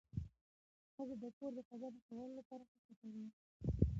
ښځه د کور د فضا د ښه والي لپاره هڅه کوي